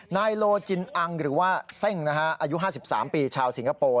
นายโลจินอังหรือว่าเซ่งอายุ๕๓ปีชาวสิงคโปร์